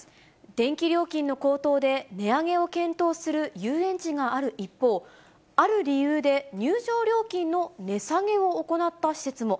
電気料金の高騰で、値上げを検討する遊園地がある一方、ある理由で、入場料金の値下げを行った施設も。